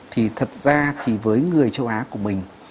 thì thật ra thì với người châu á của mình